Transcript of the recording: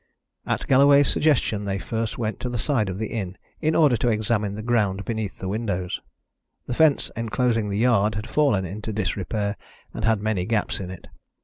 At Galloway's suggestion they first went to the side of the inn, in order to examine the ground beneath the windows. The fence enclosing the yard had fallen into disrepair, and had many gaps in it.